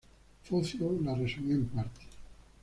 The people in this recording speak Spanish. Focio la resumió en parte.